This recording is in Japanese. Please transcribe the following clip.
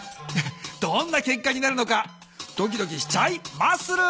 どんなけっかになるのかドキドキしちゃいマッスル。